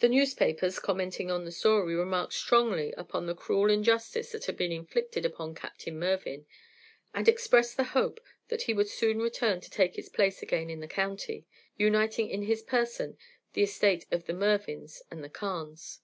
The newspapers, commenting on the story, remarked strongly upon the cruel injustice that had been inflicted upon Captain Mervyn, and expressed the hope that he would soon return to take his place again in the county, uniting in his person the estate of the Mervyns and the Carnes.